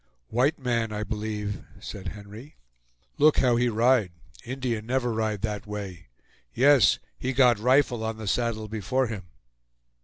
"White man, I b'lieve," said Henry; "look how he ride! Indian never ride that way. Yes; he got rifle on the saddle before him."